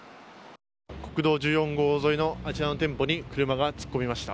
国道１４号沿いのあちらの店舗に車が突っ込みました。